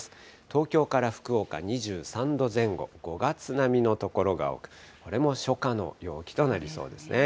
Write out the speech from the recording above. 東京から福岡２３度前後、５月並みの所が多く、これも初夏の陽気となりそうですね。